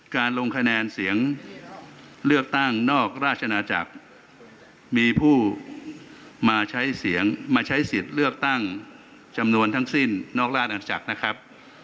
ลงคะแนนเสียงเลือกตั้งนอกราชนาจักรมีผู้มาใช้เสียงมาใช้สิทธิ์เลือกตั้งจำนวนทั้งสิ้นนอกราชอาณจักรนะครับ